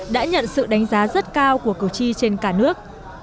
đã nhận sự đánh giá rất cao của cử tri trên cả nước